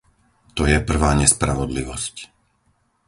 To je prvá nespravodlivosť.